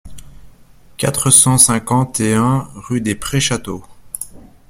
quatre cent cinquante et un rue des Prés Château